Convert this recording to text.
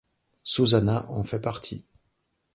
Susanna en fait partie.